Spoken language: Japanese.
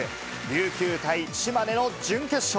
琉球対島根の準決勝。